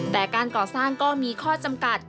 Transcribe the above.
แต่การก่อสร้างก็มีข้อจำกัด